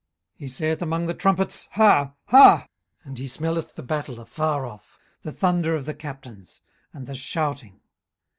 18:039:025 He saith among the trumpets, Ha, ha; and he smelleth the battle afar off, the thunder of the captains, and the shouting.